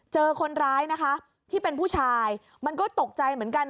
เจอคนร้ายนะคะที่เป็นผู้ชายมันก็ตกใจเหมือนกัน